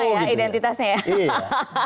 jadi sama ya identitasnya ya